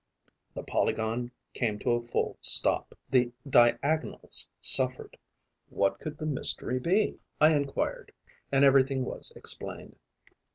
The polygon came to a full stop, the diagonals suffered. What could the mystery be? I enquired; and everything was explained.